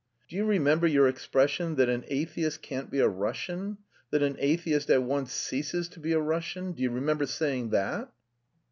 "Do you remember your expression that 'an atheist can't be a Russian,' that 'an atheist at once ceases to be a Russian'? Do you remember saying that?"